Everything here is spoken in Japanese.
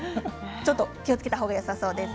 ちょっと気をつけた方がよさそうです。